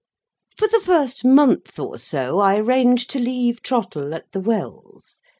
For the first month or so, I arranged to leave Trottle at the Wells.